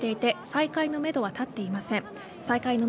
再開のめどは立っていません。